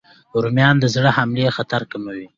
رومیان د زړه حملې خطر کموي